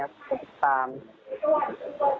แต่ว่าสุดท้ายก็ตามจนทัน